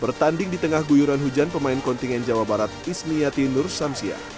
bertanding di tengah guyuran hujan pemain kontingen jawa barat ismiyati nur samsia